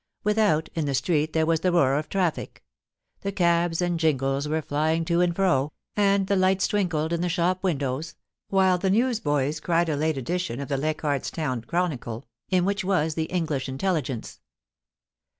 Without, in the street there was the roar of traffic; the cabs and jii^les were flying to and fro, and the lights 340 POLICY AND PASSION. twinkled in the shop windows, while the news boys cried a late edition of the Leichardfs Town Chronicle^ in which was the English intelligence.